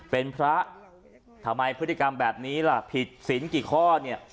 เป็นพระทำไมพฤติกรรมแบบนี้ล่ะผิดศิลป์กี่ข้อเนี่ย